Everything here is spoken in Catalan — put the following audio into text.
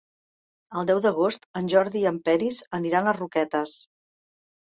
El deu d'agost en Jordi i en Peris aniran a Roquetes.